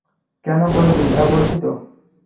কেন করবি না বলতি তো?